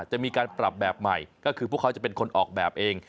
จะมีการปรับแบบใหม่ก็คือพวกเขาจะเป็นคนออกแบบเอง